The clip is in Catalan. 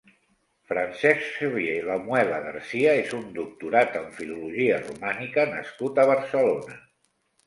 Francesc Xavier Lamuela García és un doctorat en filologia romànica nascut a Barcelona.